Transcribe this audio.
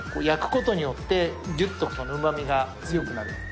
焼くことによって、ぎゅっとうまみが強くなる。